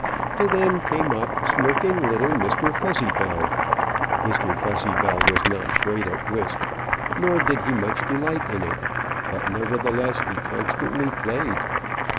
To them came up smirking little Mr. Fuzzybell. Mr. Fuzzybell was not great at whist, nor did he much delight in it; but, nevertheless, he constantly played.